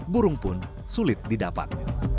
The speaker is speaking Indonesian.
burung pun sulit didapat